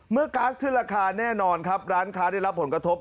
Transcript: เมื่อก๊าซถึงราคาแน่นอนร้านก๊าซได้รับผลกระทบ